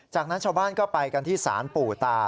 จากนั้นชาวบ้านก็ไปกันที่ศาลปู่ตา